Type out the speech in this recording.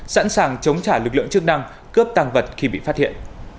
sẵn sàng chống trả lực lượng chức năng cướp tàng vật khi bị phát hiện